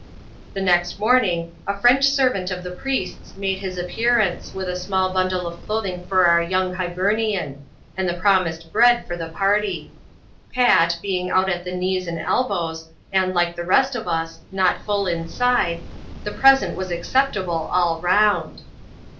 The next morning, a French servant of the priest's made his appearance, with a small bundle of clothing for our young Hibernian; and the promised bread for the party. Pat, being out at the knees and elbows, and, like the rest of us, not full ioside, the present was acceptable all round.